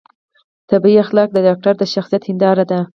طبي اخلاق د ډاکتر د شخصیت هنداره ده